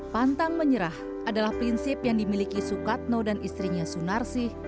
pantang menyerah adalah prinsip yang dimiliki sukatno dan istrinya sunarsih